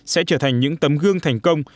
sẽ trở thành những tấm gương thành công